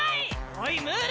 おいムール！